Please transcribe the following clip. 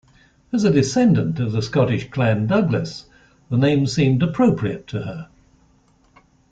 As a descendant of the Scottish Clan Douglas, the name seemed appropriate to her.